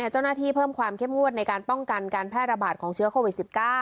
เจ้าหน้าที่เพิ่มความเข้มงวดในการป้องกันการแพร่ระบาดของเชื้อโควิด๑๙